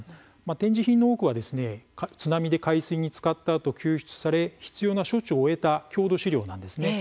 展示品の多くは津波で海水につかったあと救出され必要な処置を終えた郷土資料です。